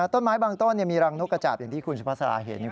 ต้นไม้บางต้นมีรังนกกระจาบอย่างที่คุณสุภาษาเห็น